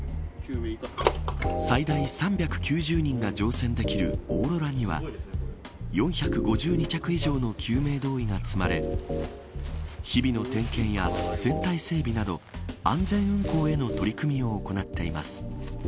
最大３９０人が乗船できるおーろらには４５２着以上の救命胴衣が積まれ日々の点検や船体整備など安全運航への取り組みを行っています。